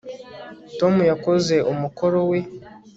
tom yakoze umukoro we